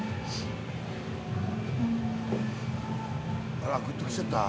あらグッときちゃった。